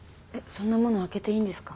そんなもの開けていいんですか？